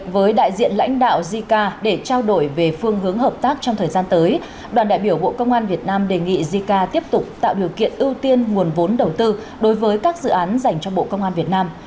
với đại diện lãnh đạo zika để trao đổi về phương hướng hợp tác trong thời gian tới đoàn đại biểu bộ công an việt nam đề nghị jica tiếp tục tạo điều kiện ưu tiên nguồn vốn đầu tư đối với các dự án dành cho bộ công an việt nam